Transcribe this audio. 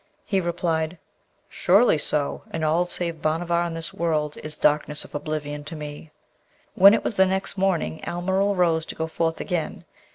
He replied, 'Surely so; and all save Bhanavar in this world is the darkness of oblivion to me.' When it was the next morning, Almeryl rose to go forth again.